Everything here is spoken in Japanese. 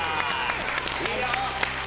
いいよ。